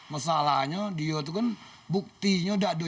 masalahnya dia itu kan buktinya tidak ada